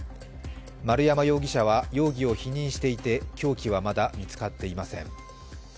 丸山容疑者は容疑を否認していて凶器はまだ見つかっていません。